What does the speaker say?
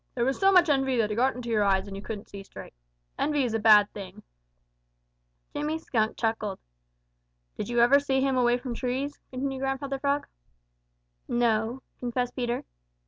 There was so much envy that it got into your eyes, and you couldn't see straight. Envy is a bad thing." Jimmy Skunk chuckled. "Did you ever see him away from trees?" continued Grandfather Frog. "No," confessed Peter.